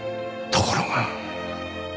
ところが。